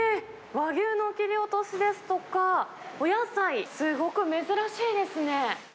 和牛の切り落としですとか、お野菜、すごく珍しいですね。